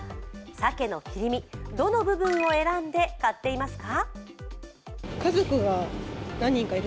鮭の切り身、どの部分を選んで買っていますか？